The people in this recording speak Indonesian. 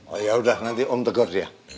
oh yaudah nanti om tegur dia